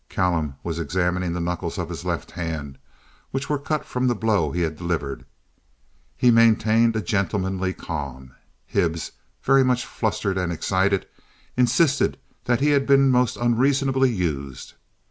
Callum was examining the knuckles of his left hand, which were cut from the blow he had delivered. He maintained a gentlemanly calm. Hibbs, very much flustered and excited, insisted that he had been most unreasonably used.